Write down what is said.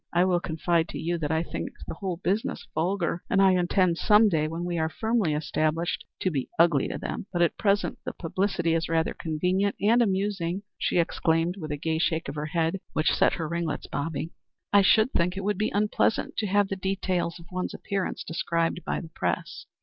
I will confide to you that I think the whole business vulgar, and I intend some day, when we are firmly established, to be ugly to them. But at present the publicity is rather convenient and amusing," she exclaimed, with a gay shake of her head, which set her ringlets bobbing. "I should think it would be unpleasant to have the details of one's appearance described by the press."